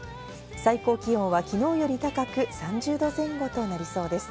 最高気温はきのうより高く３０度前後となりそうです。